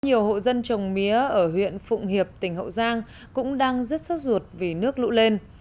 nhiều hộ dân trồng mía ở huyện phụng hiệp tỉnh hậu giang cũng đang rất sốt ruột vì nước lũ lên